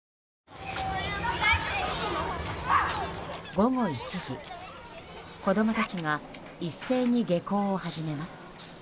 午後１時、子供たちが一斉に下校を始めます。